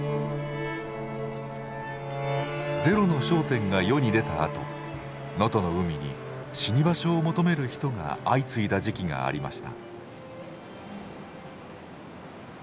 「ゼロの焦点」が世に出たあと能登の海に死に場所を求める人が相次いだ時期がありました。